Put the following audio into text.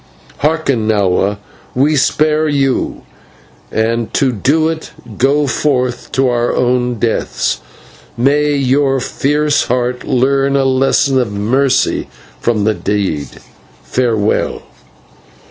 "Hearken, Nahua, we spare you, and to do it go forth to our own deaths. May your fierce heart learn a lesson of mercy from the deed. Farewell."